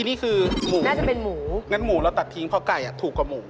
อันนี้คือหมูงั้นหมูเราตัดทิ้งเพราะไก่ถูกกว่าหมู